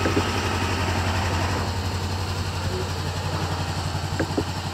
Le texte en italique est d'Épiphane de Salamine.